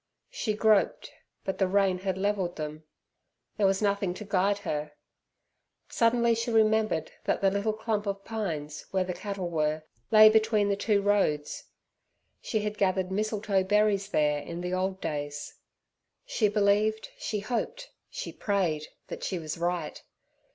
She groped, but the rain had levelled them. There was nothing to guide her. Suddenly she remembered that the little clump of pines, where the cattle were, lay between the two roads. She had gathered mistletoe berries there in the old days. She believed, she hoped, she prayed, that she was right.